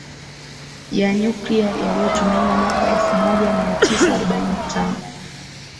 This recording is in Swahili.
ya nyuklia yaliyotumiwa mwaka elfumoja miatisa arobaini na tano